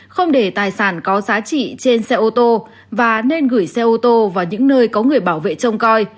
không để tài sản có giá trị trên xe ô tô và nên gửi xe ô tô vào những nơi có người bảo vệ trông coi